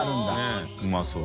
佑うまそう。